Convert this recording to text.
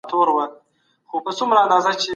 نور مي له ورځي څـخــه بـــد راځـــــــي